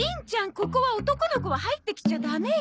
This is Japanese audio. ここは男の子は入って来ちゃダメよ。